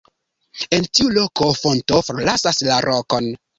En tiu loko fonto forlasas la rokon.